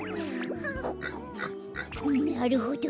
なるほど。